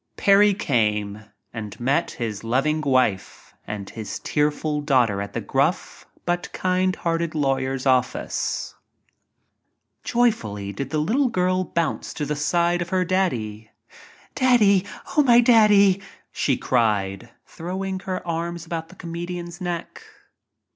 Parry came — and met his loving wife and his tearful daughter at the gruff, but kind hearted law yer's office. Joyfully did the little girl bounce to the side of her "Daddy. Daddy ! Oh, my Daddy !" she cried, throwing her arms about the comedian's neck.